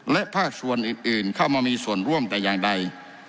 และภาคส่วนอื่นเข้ามามีส่วนร่วมแต่อย่างใด